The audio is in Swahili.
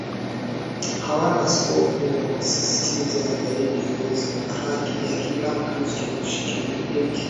hawana Askofu wakisisitiza zaidi uwezo na haki ya kila Mkristo kushiriki